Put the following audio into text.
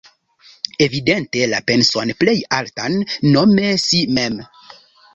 Evidente la penson plej altan, nome si mem.